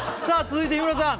続いて日村さん